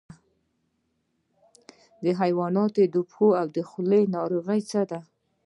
د حیواناتو د پښو او خولې ناروغي څه ده؟